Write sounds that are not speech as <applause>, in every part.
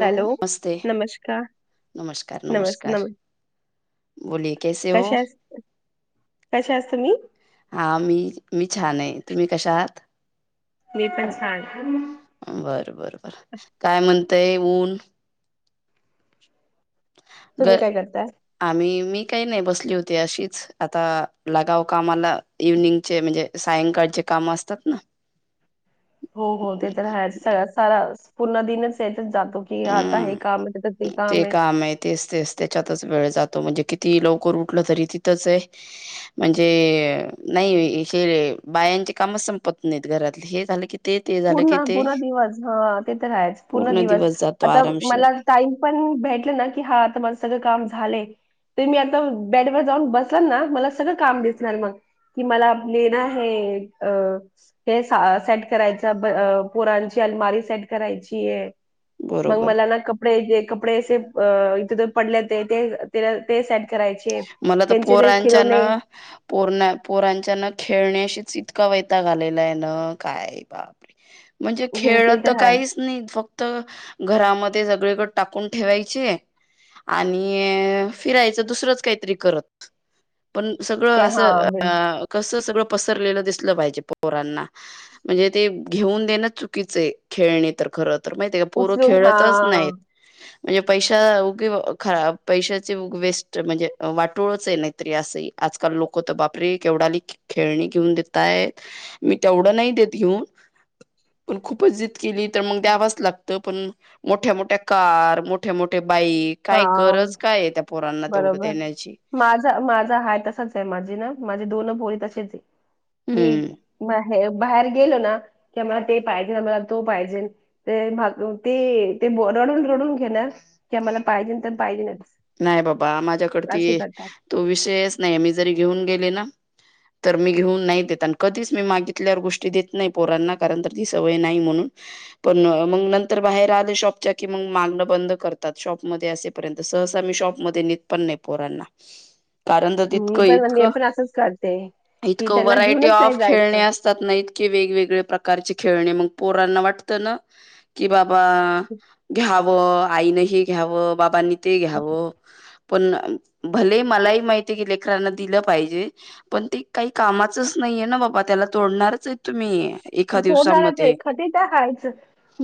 Hello नमस्कार नमस्कार नमस् नमस्कार नम. बोलिये कैसे हो कश कश आस तुम्ही हा मी मी छान हाय तुम्ही कशा आहात. मी पण छान. बर बर बर काय म्हणतय ऊन. ग तुम्ही काय करताय. आम्ही मी काय नाय बसली होती अशीच. आता लागाव कामाला. इव्हनिंगचे मजे सायंकाळचे काम असतात ना. हो हो ते तर हायच सगळं- सारा पूर्ण दिनच ह्यातच जातो की आता हे काम हाय त्या ते काम हाय आमह तेस तेस त्याच्यातच वेळ जातो म्हणजे कितीही लवकर उठलं तरी तिथंच हाय म्हणजे नाय हे बायांचे कामच संपत नाहीत घरातले हे झालं कि- पूर्ण पूर्ण दिवस हा ते तर हायच पूर्ण दिवस आता मला- टाईम पण भेटले ना की हा आता माझ सगळं काम झालंय. ते मी आता बेडवर जाऊन बसन ना मला सगळं काम दिसणार मग. कि मला आपले ना हे अ सेट करायच. पोरोची अलमारी सेट करायची मग बरोबर मला. ना ते जे कपडे असे अ इथ पडले ते ते ते सेट करायचे. मला तर त्यांचे ते पोरांच्या खिलोने ना. पोरना पोरांच्याना खेळण्याशीच इतका वयताग आलेला ना काय बा. म्हणजे हं, खेळ ते तर आहेत काहीच नई फक्त घरामध्ये सगळीकड टाकून ठेवायचे- आणि फिरायचं दुसरंच- कायतरी करत पण सगळ ते हा असं- अ... कसं सगळं पसरलेलं दिसलं पाहिजे पोरांना. म्हणजे ते घेऊन देणं चुकीचय खेळणी तर खरं तर महितय काय पोरं उचलून हा खेळतच नायत. म्हणजे पैशा उगी ख पैशाची उग वेस्ट म्हणजे. वाटोळच हाय नायतरी असंही आजकाल लोक तर बापरे केवढाली खेळणी घेऊन देतायत मी तेवढं नाय देत घीऊन पण खूपच जिद किली तर मग द्यावाच लागतं पण. मोठ्या मोठ्या कार, मोठे मोठे बाईक, काय हा गरज काय त्या पोरांना तेवढ बरोबर. माझा माझा हाय तसाच हाय माझी ना माझी दोन पोरी तशीच हाय कि हम्म बा हे बाहेर गेलो ना की मला ते पाहिजे मला तो पाहिजेल ते ते रडून रडून घेणार की आम्हाला पाहिजे तर पाहिजेलचं नाय बाबा माझ्याकड ते तो विषयच नाय मी जरी घेऊन गेले ना तर, मी घेऊन नाही देत आणि कधीच मी मागितल्यावर गोष्टी देत नाही पोरांना. कारण, तर ती सवय नाही म्हणून. पण, मग नंतर बाहेर आले शॉपच्या की मग मागण बंद करतात. शॉपमध्ये असेपर्यंत स <inaudible> ी शॉप मध्ये नि पण नाही पोरांना. कारण, तर मी तितकं पण मी इतकं, पण असंच करते की इतकं, त्यांना व्हरायटी घेऊनच नाही ऑफ खेळणे जायचं असते. नाहीतके वेगवेगळ प्रकारचे खेळणे. मग पोरांना वाटतं ना. कि बाबा, घ्यावं आईन हे घ्यावं, बाबांनी ते घ्यावं हो. पण भले मलाही माहिती आहे, की लेकरांना दिलं पाहिजे. पण ते काही कामाचच नाहीये ना. बाबा त्याला तोडणारच आहे. तुम्ही एका होणार चा आहे. दिवसामध्ये एखादी तर आहेच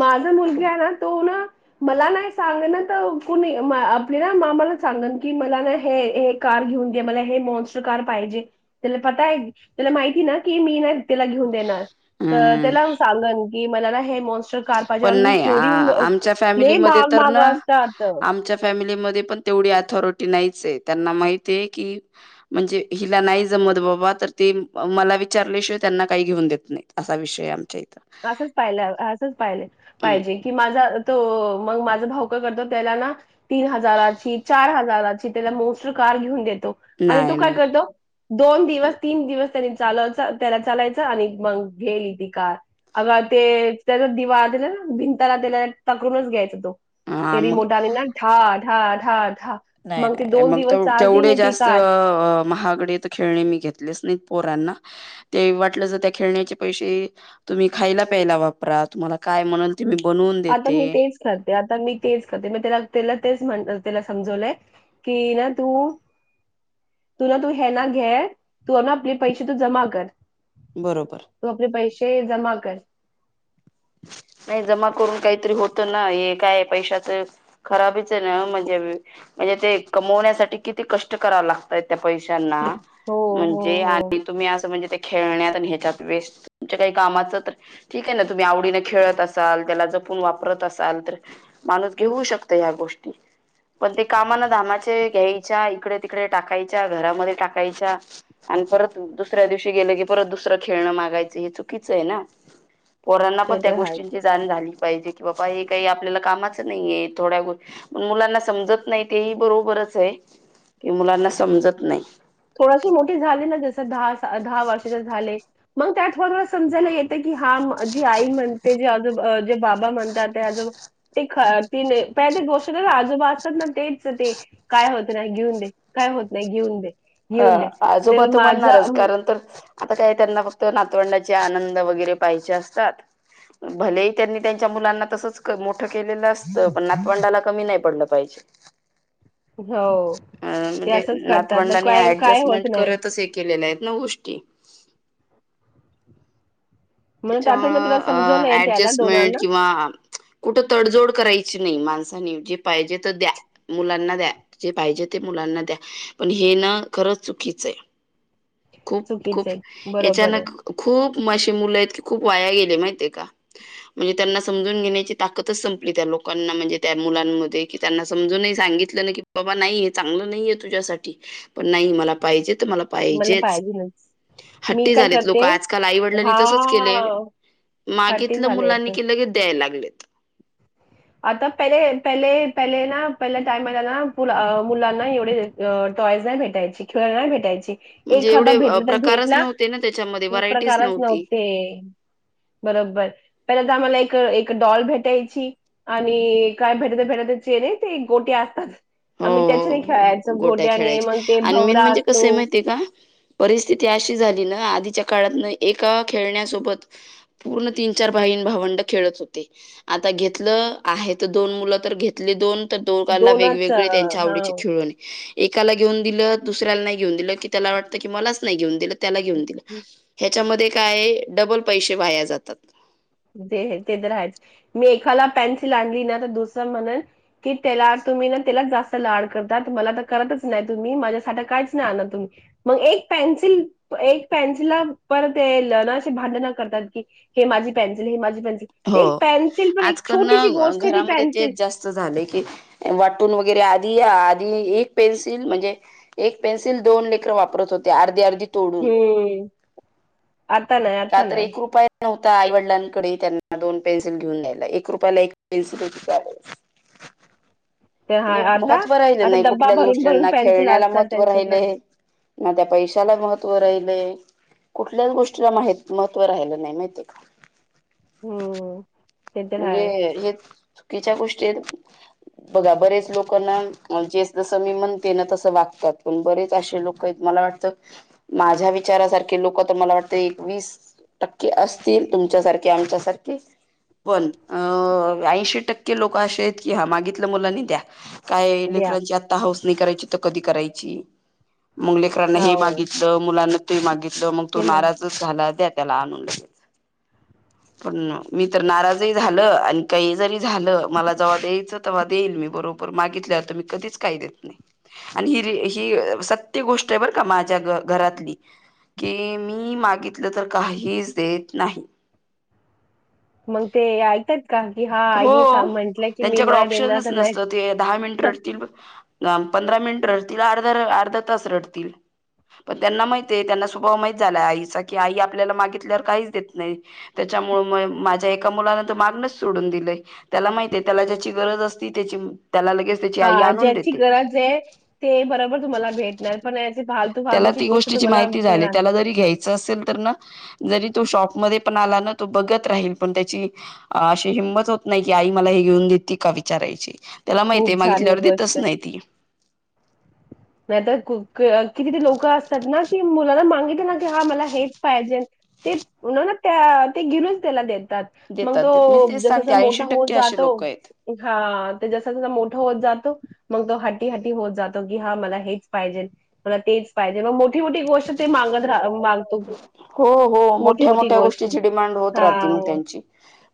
माझं मुलगी आहे ना. तो.. ना... मला नाही सांग ना तर, कुणी आपली ना मामाला सांगन की, मला ना हे कार घेऊन द्या मला. हे मॉन्ट कार पाहिजे. त्याला पता आहे. त्याला माहिती ना की, मी ना त्याला घेऊन देणार. तर, हम्म त्याला सांगन की मला ना, हे मॉन्स्टर का पाहिजे पण आणि मी नाही केवढ आ- आमच्या हे फॅमिलीमध्ये महाग तर माग ना असत. आता आमच्या फॅमिलीमध्ये पण तेवढी अथॉरिटी नाहीच आहे. त्यांना माहीत आहे. की, म्हणजे, हिला नाही जमत बाबा. तर ते मला विचारल्याशिवाय त्यांना काही घेऊन देत नाही. असा विषय आमच्या इथ. असंच पाहिलं, असंच पाहिलं हम्म, पाहिजे. की, माझा तो मग, माझं भाऊ काय करतो. त्याला ना तीन हजाराची. चार हजाराची. त्याला मोस्ट कार घेऊन देतो आणि नाही तो काय नाही करतो. दोन दिवस तीन दिवस त्यांनी चालवच. त्याला चालायचं आणि मग घेईल ती कार. अग ते, त्याचा दिवा त्याला भिंताला त्याला तकरूनच घ्यायचा तो. हा तेरी मग मोडाली ना.. ढढा.. ढा.. ढ... नाही, मग तर तेवढे जास्त महागडे खेळणे, मी घेतले <inaudible> स् नत पोरांना. ते वाटलं ज त्, या खेळण्याचे पैसे तुम्ही खायला प्यायला वापरा. तुम्हाला काय, म्हणून ते मी बनवून देते. साध्या, आता मी तेच करते. मी त्याला तेच म्हला समजवलंय. कि.... ना... तू तु.. ना.. तू.. हे... ना घे.. तू.. ना आपले पैसे तू जमा कर. बरोबर... तू, आपले पैसे जमा कर. नाही, जमा करून काहीतरी होत ना. हे काय पैशाच खराबीच आहे ना. म्हणजे? म्हणजे ते कमवण्यासाठी किती कष्ट कराला. त्या पैशांना, हो हो म्हणजे? हो आणि तुम्ही असं म्हणजे. ते खेळण्यात आणि ह्याच्यात वेस्ट. तुमच्या काही कामाचं तर ठीक आहे. ना त तुम्ही आवडीने खेळत असाल, त्याला जपून वापरत असाल, तर माणूस, घेऊ शकत या गोष्टी. पण, ते कामाना धामाचे घ्यायच्या. इकडे, तिकडे, टाकायच्या. घरामध्ये टाकायच्या. आणि परत दुसऱ्या दिवशी गेलं की, परत दुसरं खेळणं मागायचं. हे चुकीचं आहे ना? पोरांना पण, ते त्या तर आहेच गोष्टींची जाण झाली पाहिजे, की बाबा हे काही आपल्याला कामाच नाहीये. थोड्या ग पण मुलांना समजत नाही. तेही बरोबरच आहे. की, मुलांना समजत नाही. थोडशी मोठी झाली ना. जसं दहा दहा वर्षा ज झाले. मग, त्यात थोडं थोडं समजायला येते की, हा जी आई म्हणते, जी अज जे बाबा म्हणतात, ते अज ते ख ती नाही. प ते गोष्ट आजोबा असतात ना. तेच ते. काय होत नाही घेऊन दे, काय होत नाही घेऊन दे. हा घेऊन दे आजोबा ते माझ्या तुम्हणणारच अम, कारण तर आता काय त्यांना फक्त नातवंडाचे आनंद वगैरे पाहिचेे असतात. भलेही त्यांनी त्यांच्या मुलांना तसच मोठं केलेलं असतं पण नातवंडाला कमी नाही पडलं पाहिजे. <inaudible> हो ते असंच करतात. आणि काय काय होत ऍडजस्टमेंट नाही करतच हे केलेले आहेत ना गोष्टी. म्हणून त्यातून मी तुला त्याच्यामुळं अ समजवलंय त्याला ऍडजस्टमेंट दोनांना किंवा कुठं तडजोड करायची नाही माणसानी जे पाहिजे ते द्या. मुलांना द्या जे पाहिजे ते मुलांना द्या पण हे न खरंच चुकीचं आहे. खूप चुकीच खूप आहे बरोबर आहे याचानक खूप मशी मुलं आहेतत खूप वाया गेले माहित आहे का. म्हणजे त्यांना समजून घेण्याची ताकदच संपली त्या लोकांना म्हणजे त्या मुलांमध्ये. की त्यांना समजूनही सांगितलं नाही की बाबा नाही हे चांगलं नाहीये तुझ्यासाठी. पण नाही मला पाहिजे तर मला पाहिजेत. पाहिजेच. हट्टी झालेत लोक आजकाल आईवडलांनी हा तसच केले. साठी मागितलं झाले मुलांनी याचं. की लगेच द्याय लागले. <inaudible> आता पले पले पहिले ना पहिल्या टायमला ना मुलांना एवढे अ टॉयज नाही भेटयची, खेळ नाही भेटायची. म्हणजे एखादा एवढे अ भेटला तर प्रकारच भेटला नव्हते ना त्याच्यामध्ये व्हरायटीच प्रकारच नव्हती. नव्हते. बरोबर पहिले तर आम्हाला एक एक डॉल भेट टायची आणि काय भेटत भेटत चेर आहे ते गोटी असतात हो आम्ही हो त्याच्याने हो खेळायच हो घोट्याने मग ते भवरा असतो. ते काय. परिस्थिती अशी झाली ना आधीच्या काळात न एका खेळण्यासोबत. पूर्ण तीन-चार भाईं भावंड खेळत होती. आता घेतलं आहे ते दोन मुलं तर घेतली दोन. तर दोघांना दोनच हा वेगवेगळे त्यांच्या हा. आवडीचे एकाला घेऊन दिलं दुसऱ्याला नाहीे घेऊन दिलं की त्याला वाटत की मलाच नाहीे घेऊन दिलं त्याला घेऊन दिलं ह्याच्यामध्ये काय डबल पैसे वाया जातात. ते ते तर आहेच मी एखकाला पेन्सिल आणली ना तर दुसरं म्हणे कि त्याला तुम्ही ना त्याला जास्त लाड करता मला तर करतच नाही तुम्ही माझ्यासाठी काहीच नाही ना तुम्ही. मग एक पेन्सिल एक पेन्सिल पर ते ल नाे भांडण करतात की हे माझी पेन्सिल हे माझी पेन्सिल. ते हो. एक पेन्सिल पण एक छोटीशी गोष्ट आहे ती पेन्सिल झालं की वाटून वगैरे आधी, आधी एक पेन्सिल म्हणजे एक पेन्सिल दोन लेकर वापरत होते आर्धी आर्धी तोडून. हम्म. आतान का तर एक रुपय नव्हता आईवडिलांकडे त्यांना दोन पेन्सिल घेऊन न्यायला एक रुपयाला एक पेन्सिल त्या आहे. ते हा म्हणजे आता महत्त्व राहिले आता नाही डब्बा कुठल्याच भरून भरून गोष्टींना पेन्सिल खेळण्याला असतात महत्त्व त्यांच्याकडे राहिलेय. ना त्या पैशाला महत्त्व राहिलय. कुठल्याच गोष्टीला माहित महत्त्व राहिलं नाही माहितय का? हो. म्हणजे हे चुकीच्या गोष्टी बघा बरेच लोक ना जे जसं मी म्हणते ना, तसं वागतात. पण बरेच असे लोक मला वाटतं, माझ्या विचारासारखे लोक तर मला वाटतं एकवीस टक्के असतील, तुमच्यासारखे आमच्यासारखे. पण अं ऐंशी टक्के लोक असे आहेत, की हा मागितल्या मुलांनी द्या. काय द्या लेकरांची आता हाऊस नाही करायची तर कधी करायची. मग लेकरांनं हे हो मागितलं मुलांना ते मागितलं मग तो नाराज झाला, द्या त्याला आणून. पण मी तर नाराजही झालं आणि काही जरी झालं, मला जव्हा द्यायचं तेव्हा देईल मी बरोबर. मागितल्यावर तर मी कधीच काही देत नाही. आणि ही ही सत्य गोष्ट आहे बरं का, माझ्या घरातली. की मी मागितलं तर काहीच देत नाही. मग ते ऐकतात का? की हा आईने हो म्हटलंय की मी त्यांच्याकडे नाही देणार ऑप्शनच तर नाही. नसतं ते दहा मिनिट रडतील, पंधरा मिनिट रडतील, अर्ध अर्धा तास रडतील. पण त्यांना माहितेय, त्यांना स्वभाव माहीत झालाय आईचा, की आई आपल्याला मागितल्यावर काहीच देत नाही. त्याच्यामुळे म माझ्या एका मुलान तर मागणच सोडून दिलंय. त्याला माहितय त्याला ज्याची गरज असती, त्याची त्याला लगेच त्याची आई हा, आणून ज्याची देते. गरज आहे, ते बरोबर तुम्हाला भेटणार. पण याची फालतू, फालतूची गोष्ट तुम्हाला मिळणार नाही. यचं असेल तर ना, जरी तो शॉप मध्ये पण आला, ना तर तो बघत राहील. पण त्याची अ अशी हिंमत होत नाही, की आई मला हे घेऊन देती का विचारायची. त्याला माहितीये, खूप छान मागितल्या वर ही गोष्ट देतच नाही ती. नाही तर, किती ते लोकं असतात ना, की मुलांन मागितल ना की, हा मला हेच पाहिजे ते मग ना त्या, ते घेऊनच त्याला देतात. मग देतात देत मी तो, तेच जस सांगते जसा मोठा ऐंशी होत टक्के असे जातो लोक आहेत. हा, ते जसं जसं मोठं होत जातो, मग तो हटी हटी होत जातो, की हा, मला हेच पाहिजेल. मला तेच पाहिजे, मग मोठी मोठी गोष्ट ते मागत राह मागतो. <inaudible> मोठी मोठी गोष्ट छोटी छोटी डिमांड होत मग राहते हां, त्यांची.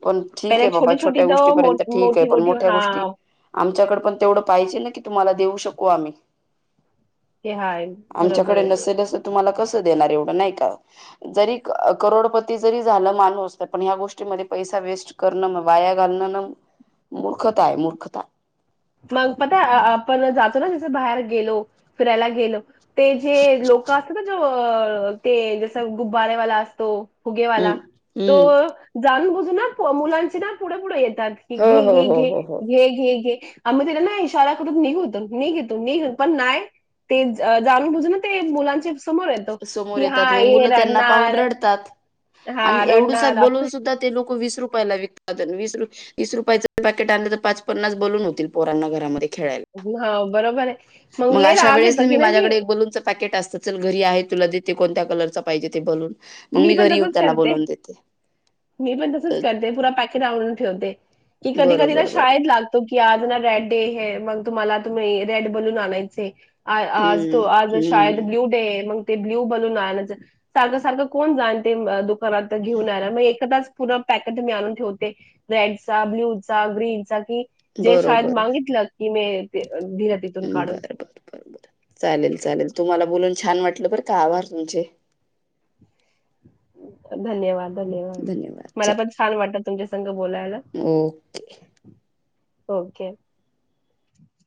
पन पहिले ठीके बाबा छोटी-छोटी छोट्या गोष्टी तर मो पर्यंत ठीक आहे. पण मोठी-मोठी मोठ्या गोष्टी, हां, आमच्याकडे पण तेवढं पाहिजे ना की तुम्हाला देऊ शकू आम्ही. ते हाय, बरोबर आहे ते. कसं तुम्हाला कसं देणार एवढं, नाही का. जरी करोडपती जरी झालं माणूस, तरी पण ह्या गोष्टीमध्ये पैसा वेस्ट करणं मग वाया घालणं ना, मूर्खता आहे मूर्खता. मग पता आपण जातो ना तिथं बाहेर गेलो, फिरायला गेलो ते जे लोकं असतं ना जो, ते जसं गुब्बारेवाला असतो. हम्म फुगेवाला, तो हम्म जाणून बुजून ना मुलांचे ना, पुढे पुढे येतात. घे हो हो घ हो घे हो हो घे घे घे. आम्ही त्याला ना, इशारा करून निघ इथून, निघ इथून, पण नाही. ते जाणून बुजून ना, ते मुलांच्या समोर येतो, समोर की येतात हा मग ये मुलं त्यांना पाहून रडणार रडतात हां आणि एवढूसा रडनार बोलून असं सुद्धा ते लोक वीस रुपयाला विकतात, अन विस रूपये वीस रुपयाचं पॅकेट आनलं तर, पाच पन्नास बलून होतील पोरांना घरामध्ये खेळायला. हा बरोबर आहे, मग लय अशा राग वेळेस येतो की मी ना, कि माझ्याकडे एक बलूनचं पॅकेट असतं. चल घरी आहे, तुला देते कोणत्या कलरचा पाहिजे ते बलून. मग मी पण घरी येऊन तसंच त्याला करते बोलवून देते. मी पण तसच करते, पुरा पॅकेट आणून ठेवते की कधी कधी ना बरोबर बरोबर शाळेत लाग तो की आज ना रेड डे है मग तुम्हाला तुम्ही रेड बनून आणायचय. आज हम्म तो आज शाळेत हम्म ब्ल्यू डे आहे, मग ते ब्लू बनवून आनायचय सारखं सारखं कोण जान ते दुकानात घेऊन याला, मग एकदाच पुर्ण पॅकेट मी आणून ठेवते. रेडचा, ब्ल्यू चा, ग्रीनचा की जे शाळेत बरोबर मागितलं की मे ते तिथून काढून बर बर बर बर चालेल चालेल, तुम्हाला बोलून छान वाटलं बर का आभार तुमचे. धन्यवाद धन्यवाद मला पण छान वाटत तुमच्या संग बोलायला. Okay okay.